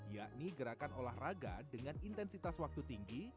yakni gerakan olahraga dengan intensitas waktu tinggi